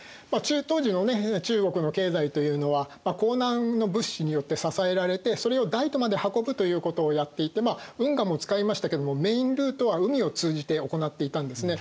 当時の中国の経済というのは江南の物資によって支えられてそれを大都まで運ぶということをやっていて運河も使いましたけどもメインルートは海を通じて行っていたんですね。